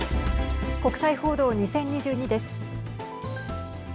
国際報道２０２２です。